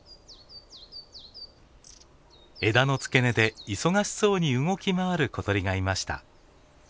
枝の付け根で忙しそうに動き回る小鳥がいました。